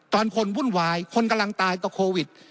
ตอนคนวุ่นวายคนกำลังตายกับโควิด